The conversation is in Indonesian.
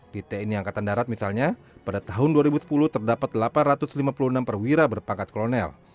di tni angkatan darat misalnya pada tahun dua ribu sepuluh terdapat delapan ratus lima puluh enam perwira berpangkat kolonel